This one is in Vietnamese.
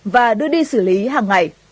và đưa đi xử lý hàng ngày